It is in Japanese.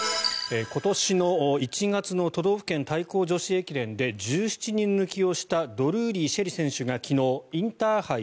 今年の１月の都道府県対抗女子駅伝で１７人抜きをしたドルーリー朱瑛里選手が昨日、インターハイ